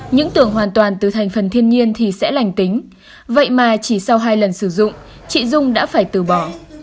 những tưởng hoàn toàn từ thành phần thiên nhiên thì sẽ lành tính vậy mà chỉ sau hai lần sử dụng chị dung đã phải từ bỏ